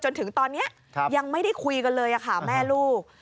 จนถึงตอนนี้ยังไม่ได้คุยกันเลยค่ะแม่ลูก